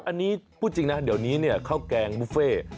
อันนี้พูดจริงนะเดี๋ยวนี้เนี่ยข้าวแกงบุฟเฟ่